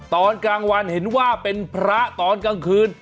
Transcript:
ตอนกลางวันเห็นว่าเป็นพระตอนกลางคืน